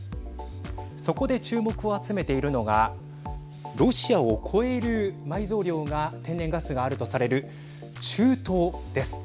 そこで注目を集めているのがロシアを超える埋蔵量が天然ガスがあるとされる中東です。